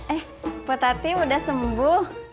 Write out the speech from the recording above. eh bu tati udah sembuh